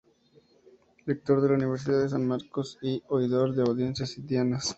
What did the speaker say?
Rector de la Universidad de San Marcos y oidor de audiencias indianas.